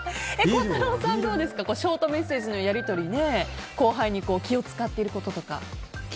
孝太郎さん、どうですかショートメッセージのやり取りで後輩に気を使っていることとか。